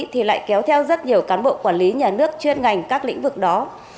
thì lại kéo theo rất nhiều cán bộ quản lý nhà nước chuyên ngành các lĩnh vực đó